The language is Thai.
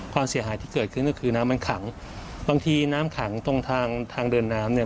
ความเสียหายที่เกิดขึ้นก็คือน้ำมันขังบางทีน้ำขังตรงทางทางเดินน้ำเนี่ย